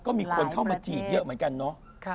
ก็มีคนเข้ามาจีบเยอะเหมือนกันเนาะ